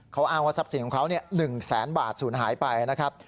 เขาอ้างว่าทรัพย์สินของเขา๑แสนบาทศูนย์หายไปนะครับ